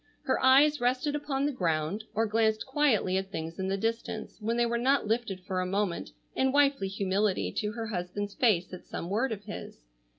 Her eyes rested upon the ground, or glanced quietly at things in the distance, when they were not lifted for a moment in wifely humility to her husband's face at some word of his.